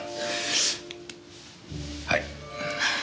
はい。